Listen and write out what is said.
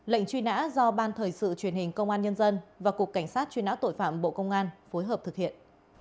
lệnh truy nã do ban thời sự truyền hình công an nhân dân và cục cảnh sát truy nã tội phạm bộ công an phối hợp thực hiện